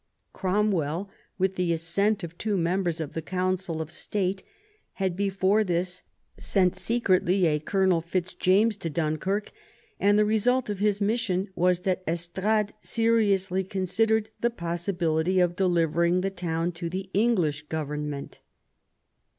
Cromwell, with the assent of two members of the Council of State, had before this sent secretly a Colonel Fitzjames to Dunkirk, and the result of his mission was that Estrades seriously considered the possibility of delivering the town to the English govern ment.